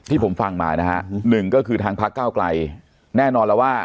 ผมฟังมานะฮะหนึ่งก็คือทางพักเก้าไกลแน่นอนแล้วว่า